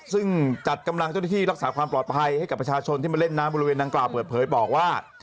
ซึ่งจัดกำลังเจ้าหน้าที่รักษาความปลอดภัยให้กับประชาชนที่มาเล่นน้ำบริเวณดังกล่าวเปิดเผยบอกว่า